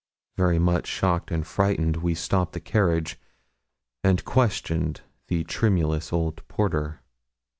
Very much shocked and frightened, we stopped the carriage, and questioned the tremulous old porter.